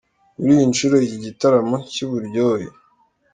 Kuri iyi nshuro iki gitaramo cy’uburyohe